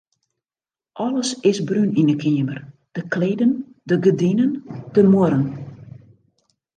Alles is brún yn 'e keamer: de kleden, de gerdinen, de muorren.